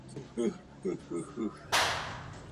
Po návratu z vězení se rozhodl vydat na hudební dráhu.